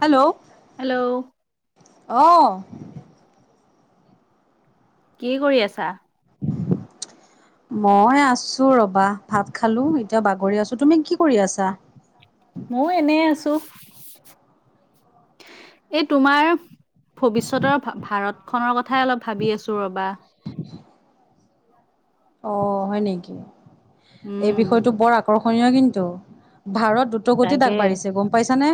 Hello hello অহ। কি কৰি আছা? মই আছো ৰবা ভাত খালোঁ, এতিয়া বাগৰি আছোঁ। তুমি কি কৰি আছা? মইও এনেই আছোঁ। এই তোমাৰ ভৱিষ্যতৰ ভা-ভাৰতখনৰ কথাই অলপ ভাবি আছোঁ ৰবা। অ' হয় নেকি এই উম, বিষয়টো বৰ আকৰ্ষণীয় কিন্তু, ভাৰত দু দ্ৰুটগতিত তাকে। আগবাঢ়িছে গম পাইছা নে?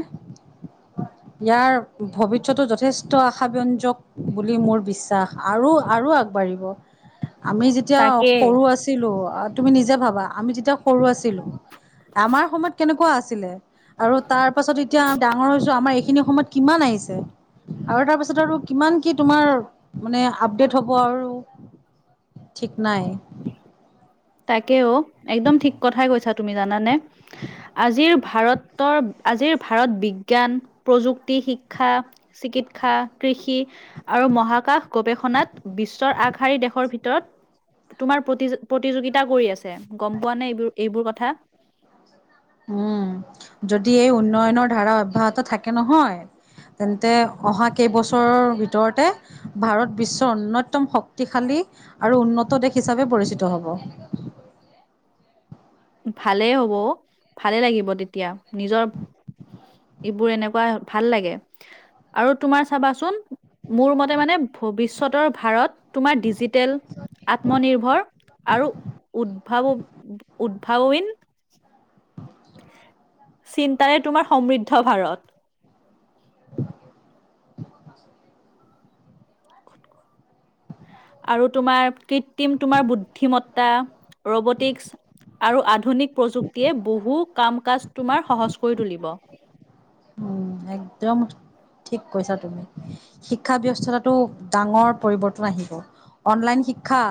[inaudible] ইয়াৰ ভৱিষ্যতো যথেষ্ট আশাব্যঞ্জক বুলি মোৰ বিশ্বাস আৰু আৰু আগবাঢ়িব। আমি যেতিয়া সৰু আছিলোঁ আ তুমি নিজে ভাবা আমি যেতিয়া সৰু আছিলোঁ আমাৰ সময়ত কেনেকুৱা আছিলে? আৰু তাৰপাছত এতিয়া ডাঙৰ হৈছো আমাৰ এইখিনি সময়ত কিমান আহিছে। আৰু তাৰপিছত আৰু কিমান কি তোমাৰ মানে আপডেট হ'ব আৰু ঠিক নাই। তাকেই অ, একদম ঠিক কথাই কৈছা তুমি জানানে? আজিৰ ভাৰতৰ আজিৰ ভাৰত বিজ্ঞান প্ৰযুক্তি শিক্ষা চিকিৎসা, কৃষি আৰু মহাকাশ গৱেষণাত বিশ্বৰ আগশাৰী দেশৰ ভিতৰত তোমাৰ প্ৰতিযো প্ৰতি প্ৰতিযোগিতা কৰি আছে, গম পোৱা নে এইবো এইবোৰ কথা? উম, যদি এই উন্নয়নৰ ধাৰা অব্যাহত থাকে নহয় তেন্তে অহা কেইবছৰৰ ভিতৰতে ভাৰত বিশ্বৰ অন্যয়তম শক্তিশালী আৰু উন্নত দেশ হিচাপে পৰিচিত হ'ব। ভালেই হ'ব অ, ভালে লাগিব তেতিয়া নিজৰ এইবোৰ এনেকুৱা ভাল লাগে। আৰু তোমাৰ চাবাচোন মোৰ মতে মানে ভৱিষ্যতৰ ভাৰত তোমাৰ ডিজিটেল আত্মনিৰ্ভৰ আৰু উদ উদ্ভাৱ উদ্ভাৱীন চিন্তাৰে তোমাৰ সমৃদ্ধ ভাৰত। [unintelligible] আৰু তোমাৰ কিত কৃত্ৰিম তোমাৰ বুদ্ধিমত্তা, ৰবটিক আৰু আধুনিক প্ৰযুক্তিয়ে বহু কাম-কাজ তোমাৰ সহজ কৰি তুলিব। উম, একদম ঠিক কৈছা তুমি। শিক্ষা ব্যবস্থাটো ডাঙৰ পৰিৱৰ্তন আহিব। অনলাইন শিক্ষা,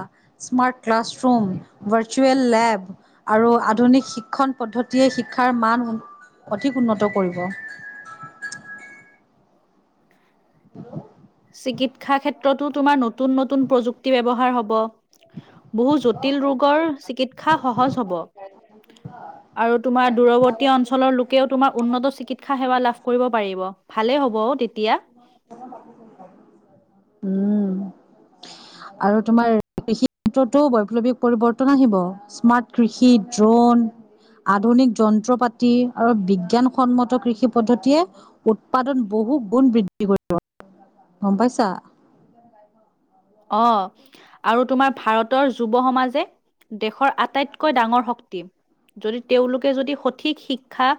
স্মাৰ্ট ক্লাছৰুম, ভাৰ্চুুৱেল লেব। আধুনিক শিক্ষণ পদ্ধতিয়ে, শিক্ষাৰ মান অধিক উন্নত কৰিব। হেল্ল, চিকিৎসা ক্ষেত্ৰতো তোমাৰ নতুন, নতুন প্ৰযুক্তি ব্যৱহাৰ হ'ব। বহুত জটিল ৰোগৰ, চিকিৎসা সহজ হ'ব। আৰু তোমাৰ দূৰৱৰ্তী অঞ্চলৰ লোকেও তোমাৰ উন্নত চিকিৎসা সেৱা লাভ কৰিব পাৰিব। ভালেই হ'ব অ, তেতিয়া। উম, আৰু তোমাৰ কৃষি ক্ষেত্ৰতো, বৈপ্লৱিক পৰিৱৰ্তন আহিব। স্মাৰ্ট কৃষি, ড্ৰোন আধুনিক যন্ত্ৰ পাতি আৰু বিজ্ঞানসন্মত কৃষি পদ্ধতিয়ে উৎপাদন বহু গুণ বৃদ্ধি কৰিব, গম পাইছা? অ, আৰু তোমাৰ ভাৰতৰ যুৱ সমাজে দেশৰ আ আটাইতকৈ ডাঙৰ শক্তি, যদি তেওঁলোকে যদি সঠিক শিক্ষা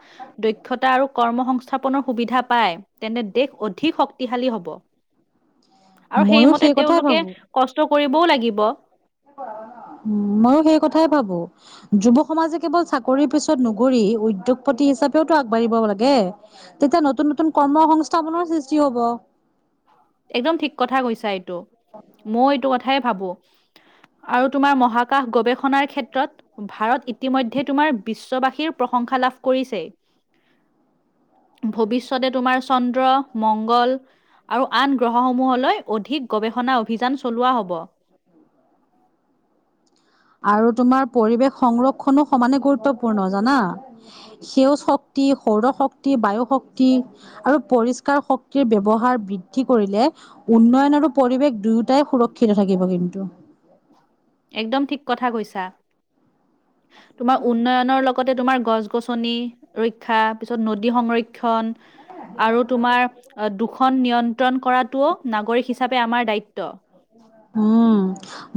দক্ষতা আৰু কৰ্ম সংস্থাপনৰ সুবিধা পায়, তেন্তে দেশ অধিক শক্তিশালী হ'ব। আৰু ময়ো সেইমতে সেই কথাই তেওঁলোকে ভাবো। কষ্ট কৰিবও লাগিব। উম, ময়ো সেই কথাই ভাবো। যুৱ সমাজে কেবল চাকৰিৰ পিছত নুঘুৰি, উদ্যোগপতি হিচাপেওতো আগবাঢ়িব লাগে। তেতিয়া নতুন, নতুন কৰ্ম সংস্থাপনৰ সৃষ্টি হ'ব। একদম ঠিক কথা কৈছা এইটো, মই এইটো কথাই ভাবো। আৰু তোমাৰ মহাকাশ গৱেষণাৰ ক্ষেত্ৰ ক্ষেত্ৰত, ভাৰত ইতিমধ্যে তোমাৰ বিশ্ববাসীৰ প্ৰশংসা লাভ কৰিছে। ভৱিষ্যতে তোমাৰ চন্দ্ৰ, মংগল। আৰু আন গ্ৰহসমূহলৈ অধিক গৱেষণা অভিযান চলোৱা হ'ব। আৰু তোমাৰ পৰিৱেশ সংৰক্ষণো, সমানে গুৰুত্বপূৰ্ণ জানা। সেউজ শক্তি, সৌৰ শক্তি, বায়ু শক্তি। আৰু পৰিস্কাৰ শক্তিৰ ব্যৱহাৰ বৃদ্ধি কৰিলে। উন্নয়ন আৰু পৰিৱেশৰ দুয়োটাই সুৰক্ষিত থাকিব কিন্তু। একদম ঠিক কথা কৈছা। তোমাৰ উন্নয়নৰ লগতে তোমাৰ গছ-গছনি। ৰক্ষা, পিছত নদীৰ সংৰক্ষণ। আৰু তোমাৰ দুখন নিয়ন্ত্ৰণ কৰাটোও, নাগৰিক হিচাপে আমাৰ দায়িত্ব। উম,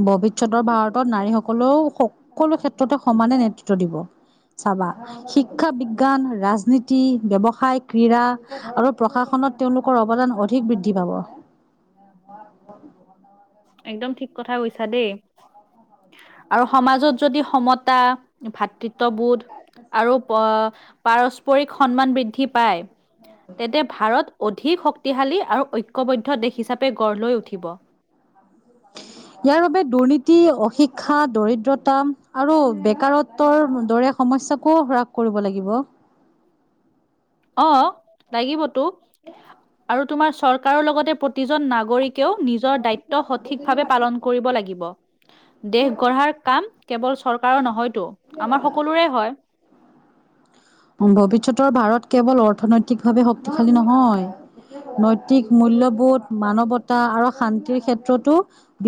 ভৱিষ্যতৰ ভাৰতত নাৰীসকলেও, সকলো ক্ষেত্ৰতে সমানে নেতৃত্ব দিব। চাবা। শিক্ষা, বিজ্ঞান ৰাজনীতি ব্যৱসায় ক্ৰীড়া আৰু প্ৰশাসনত তেওঁলোকৰ অৱদান অধিক বৃদ্ধি পাব। একদম ঠিক কথা কৈছা দেই। আৰু সমাজত যদি সমতা, ভাতৃত্ববোধ আৰু প পাৰস্পৰিক সন্মান বৃদ্ধি পায় তেন্তে ভাৰত অধিক শক্তিশালী আৰু ঐক্যবদ্ধ দেশ হিচাপে গঢ় লৈ উঠিব। [inaudible] ইয়াৰ বাবে দুৰ্নীতি অহিংসা দৰিদ্ৰতা আৰু বেকাৰত্বৰ দৰে সমস্যাকো হ্ৰাস কৰিব লাগিব। অ লাগিবতো আৰু তোমাৰ চৰকাৰৰ লগতে প্ৰতিজন নাগৰিক কেও নিজৰ দায়িত্ব সঠিকভাৱে পালন কৰিব লাগিব দেশ গঢ়াৰ কাম কেৱল চৰকাৰৰ নহয়। তো আমাৰ সকলোৰে হয় ভৱিষ্যতৰ ভাৰত কেৱল অৰ্থনৈতিক ভাৱে শক্তিশালী নহয় নৈতিক মূল্যবোধ মানৱতা আৰু শান্তিৰ ক্ষেত্ৰতো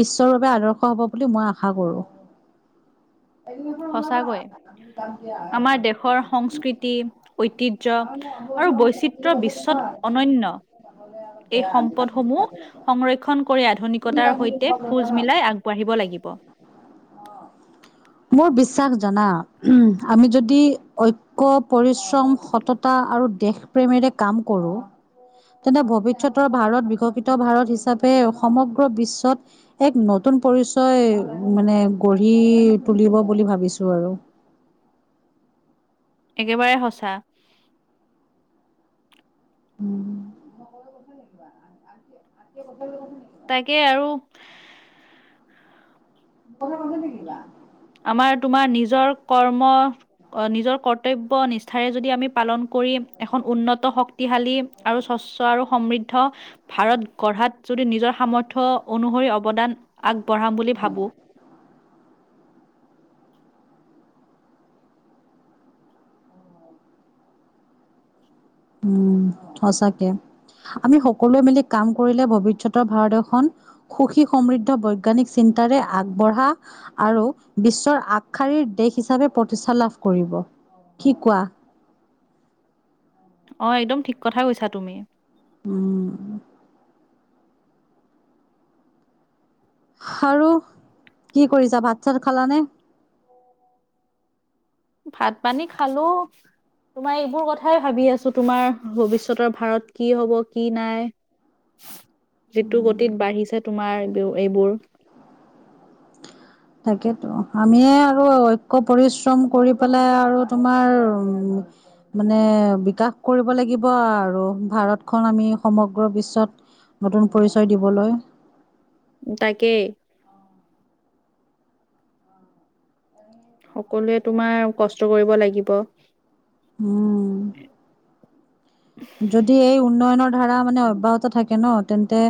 বিশ্বৰ বাবে আদৰ্শ হব বুলি মই আশা কৰো। সঁচাকৈ আমাৰ দেশৰ সংস্কৃতি ঐতি হ্য আৰু বৈচিত্ৰ বিশ্বত অনন্য এই সম্পদসমূহ সংৰক্ষণ কৰি আধুনিকতাৰ সৈতে খোজ মিলাই আগবাঢ়িব লাগিব। মোৰ বিশ্বাস জনা আমি যদি ঐক্য পৰিশ্ৰম স ততা আৰু দেশ প্ৰেমেৰে কাম কৰো তেনে ভৱিষ্যতৰ ভাৰত বিকশিত ভাৰত হিচাপে সমগ্ৰ বিশ্বত এক নতুন পৰিচয় মানে গঢ়ি তুলিব বুলি ভাবিছো আৰু। একেবাৰে সঁচা উম বানান আনচি আন এই কথাটোকে কৈছে নেকি। তাকে আৰু। মোৰ কথা কৈছে নেকি কিবা? আমাৰ তোমাৰ নিজৰ কৰ্ম নিজৰ কৰ্তব্য নিষ্ঠাৰে যদি আমি পালন কৰি এখন উন্নত শ ক্তিশালী আৰু স্বচ্ছ আৰু সমৃদ্ধ ভাৰত গঢ়াত যদি নিজৰ সামৰ্থ্য অনুসৰি অৱদান আগবঢ়াম বুলি ভাবো। উম সঁচাকে আমি সকলোৱে মিলি কাম কৰিলে ভৱিষ্যতৰ ভাৰত এখন সুখী সমৃদ্ধ বৈজ্ঞানিক চিন্তাৰে আগবঢ়া আৰু বিশ্বৰ আগশাৰীৰ দেশ হিচাপে প্ৰতিষ্ঠা লাভ কৰিব কি কোৱা অ একদম ঠিক কথাই কৈছা তুমি। উম আৰু কি কৰিছা ভাত চাত খালানে? ভাত পানী খালো। তোমাৰ এইবোৰ কথাই ভাবি আছো তোমাৰ ভৱিষ্যতৰ ভাৰত কি হব কি নাই যিটো গতিত বাঢ়িছে তোমাৰ ব এইবোৰ [inaudible] তাকেতো আমিয়ে আৰু ঐক্য পৰিশ্ৰম কৰি পেলাই আৰু তোমাৰ উ মানে বিকাশ কৰিব লাগিব আৰু ভাৰতখন আমি সমগ্ৰ বিশ্বত নতুন পৰিচয় দিবলৈ তাকে কলে তোমাৰ কষ্ট কৰিব লাগিব। উম। যদি এই উন্নয়নৰ ধাৰা মানে অব্যাহত থাকে ন। তেন্তে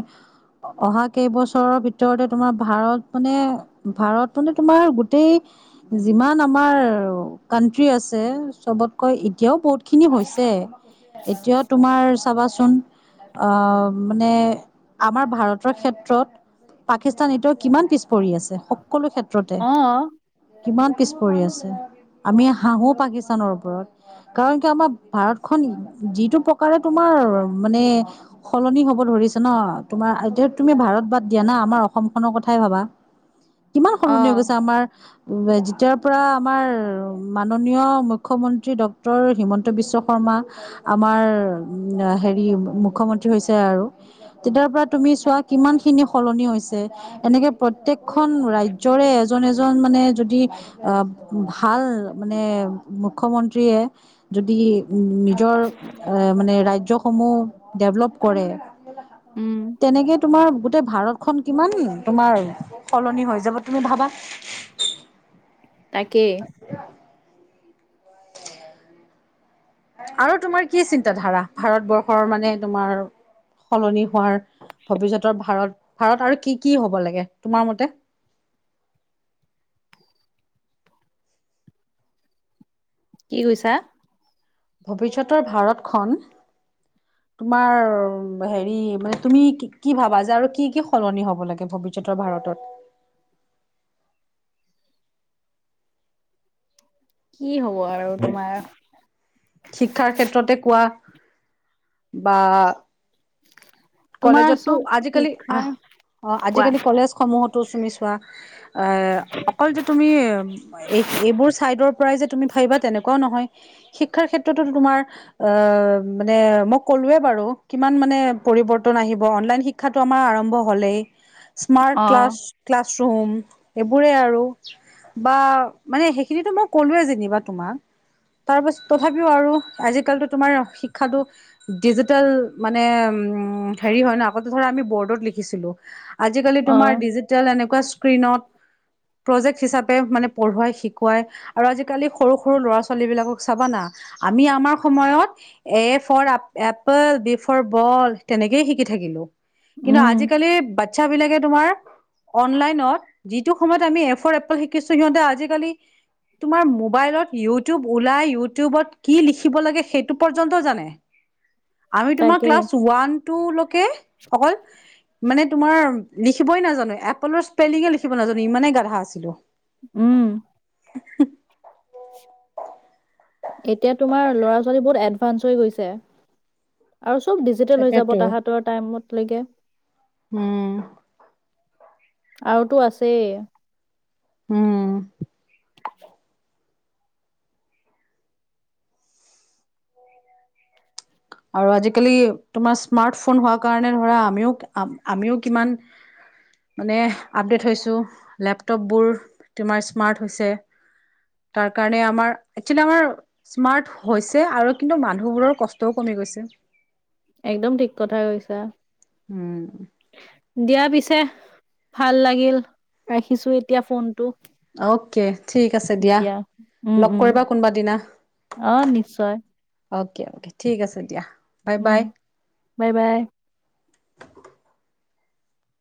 অহা কেইবছৰৰ ভিতৰতে তোমাৰ ভাৰত মানে ভাৰত মানে তোমাৰ গোটেই যিমান আমাৰ কানট্ৰি আছে চবতকৈ এতিয়াও বহুত খিনি হৈছে। এতিয়াও তোমাৰ চাবাচোন আহ' মানে আমাৰ ভাৰতৰ ক্ষেত্ৰত পাকিস্তান এতিয়াও কিমান পিছ পৰি আছে সকলো ক্ষেত্ৰতে। অ কিমান পিছ পৰি আছে আমি হাহো পাকিস্তানৰ ওপৰত। কাৰণ কি আমাৰ ভাৰতখন যিটো প্ৰকাৰে তোমাৰ মানে সলনি হ'ব ধৰিছে ন, তোমাৰ এতিয়া তুমি ভাৰত বাদ দিয়া না আমাৰ অসমখনৰ কথাই ভাবা। [inaudible] কিমান অ সলনি হৈ গৈছে আমাৰ। যেতিয়াৰ পৰা আমাৰ মাননীয় মুখ্যমন্ত্ৰী ডক্তৰ হিমন্ত বিশ্ব শৰ্মা আমাৰ হেৰি মুখ্যমন্ত্ৰী হৈছে আৰু। তেতিয়াৰ পৰা তুমি চোৱা কিমান খিনি সলনি হৈছে। এনেকে প্ৰত্যেকখন ৰাজ্যৰে এজন এজন মানে যদি আহ' ভাল মানে মুখ্যমন্ত্ৰীয়ে যদি নিজৰ এ মানে ৰাজ্যসমূহ ডেভলপ কৰে। উম তেনেকে তোমাৰ তে ভাৰতখন কিমান তোমাৰ সলনি হৈ যাব। তুমি ভাবা? তাকেই! আৰু তোমাৰ কি চিন্তা ধাৰা ভাৰতবৰ্ষৰ মানে তোমাৰ সলনি হোৱাৰ ভৱিষ্যতৰ ভাৰত ভাৰত আৰু কি কি হব লাগে তোমাৰ মতে? কি কৈছা? ভৱিষ্যতৰ ভাৰতখন [inaudible] তোমাৰ হেৰি মানে তুমি কি ভাবা যে আৰু কি কি সলনি হ'ব লাগে ভৱিষ্যতৰ ভাৰতত? কি হ'ব আৰু তোমাৰ শিক্ষাৰ ক্ষেত্ৰতে কোৱা বা তোমাৰ কলেজতটো চব আজিকালি শিক্ষাৰ অ' কোৱা আজিকালি কলেজ সমূহত [unintelligible] চোৱা। আহ' অকল যে তুমি এই-এইবোৰ ছাইডৰ পৰাই যে তুমি ভাবিবা তেনেকুৱাও নহয়। শিক্ষাৰ ক্ষেত্ৰতোটো তোমাৰ অ' মানে মই ক'লোয়ে বাৰু কিমান মানে পৰিৱৰ্তন আহিব। অনলাইন শি শিক্ষাটো আমাৰ আৰম্ভ হ'লেই। [inaudible] স্মাৰ্ট অ ক্লাছ, ক্লাছৰুম এইবোৰে আৰু। বা মানে সেইখিনিটো মই ক'লোয়ে যেনিবা তোমাক। তাৰপাছ তথাপিও আৰু আজিকালিতো তোমাৰ শিক্ষাটো ডিজিটেল মানে উম' হেৰি হয় ন, আগতে ধৰা আমি বৰ্ডত লিখিছিলো। আজিকালি অ তোমাৰ ডিজিটেল এনেকুৱা স্ক্ৰিণত প্ৰজেক্ট হিচাপে মানে পঢ়ুৱাই, শিকুৱাই আৰু আজিকালি সৰু সৰু ল'ৰা-ছোৱালী বিলাকক চাবানা, আমি আমাৰ সময়ত A for apple B for ball তেনেকেই শিকি থাকিলো। কিন্তু উম আজিকালি বাচ্ছাবিলাকে তোমাৰ অনলাইনত, যিটো সময়ত আমি এ ফৰ এপল শিকিছো সিহঁতে আজিকালি তোমাৰ মোবাইলত ইউটিউব ওলাই ইউটিউবত কি লিখিব সেই পৰ্যন্ত জানে, আমি তোমাৰ তাকেই ক্লাছ ওৱান টোলৈকে অকল মানে তোমাৰ লিখিবই নাজানো, এপলৰ স্পেলিঙে লিখিব নাজানো ইমানেই গাধা আছিলো। উম। [unintelligible] এতিয়া তোমাৰ ল'ৰা-ছোৱালী বহুত এডভান্স হৈ গৈছে। আৰু সব ডিজিটেল হৈ যাব তাকেতো। তাহঁতৰ টাইমতলৈকে। হুম। আৰু তো আছে। হুম। আৰু আজিকালি তোমাৰ স্মাৰ্ট ফোন হোৱা কাৰণে ধৰা আমিও আমিও কিমান মানে আপডেট হৈছো লেপটপবোৰ তোমাৰ স্মাৰ্ট হৈছে। তাৰ কাৰণে আমাৰ একছুৱালী আমাৰ স্মাৰ্ট হৈছে আৰু কিন্তু মানুহবোৰৰ কষ্ট টও কমি গৈছে। একদম ঠিক কথাই কৈছা। উম। দিয়া পিছে, ভাল লাগিল ৰাখিছো এতিয়া ফোনটো। অকে, ঠিক আছে দিয়া, উম লগ উম কৰিবা কোনবা দিনা। অ নিশ্চয়। অকে ঠিক আছে দিয়া, বাই উম বাই। Bye bye.